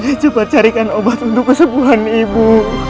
aku akan cepat carikan obat untuk kesembuhan ibu